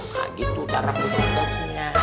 nah gitu cara kutip kutipnya